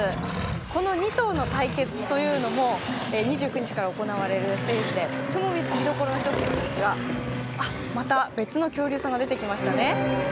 この２頭の対決というのも２９日から行われるステージで見どころの一つですが、また別の恐竜さんが出てきましたね。